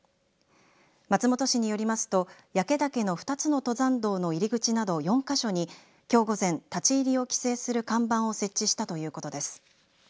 松本市によりますと焼岳の２つの登山道の入り口など４か所にきょう午前、立ち入りを規制する看板を設置したということです。